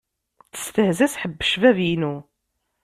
Testehza s ḥebb-cbab-inu.